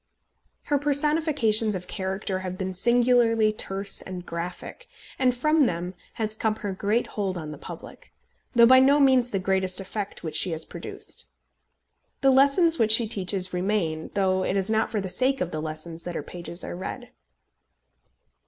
Her personifications of character have been singularly terse and graphic, and from them has come her great hold on the public, though by no means the greatest effect which she has produced. The lessons which she teaches remain, though it is not for the sake of the lessons that her pages are read.